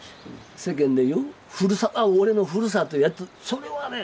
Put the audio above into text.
世間で言う俺のふるさとやとそれはね